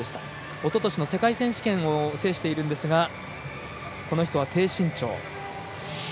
おととしの世界選手権を制しているんですがこの人は低身長。